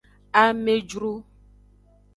Amejru.